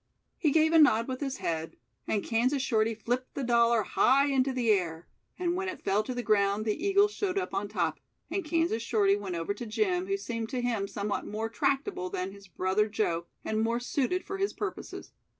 He gave a nod with his head and Kansas Shorty flipped the dollar high into the air, and when it fell to the ground the eagle showed up on top, and Kansas Shorty went over to Jim, who seemed to him somewhat more tractable then his brother Joe, and more suited for his purposes.